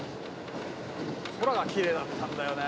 空がきれいだったんだよね。